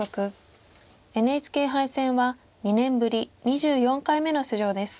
ＮＨＫ杯戦は２年ぶり２４回目の出場です。